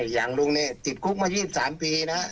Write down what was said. อย่างลุงเนี้ยจิบคุกมายี่สามปีนะ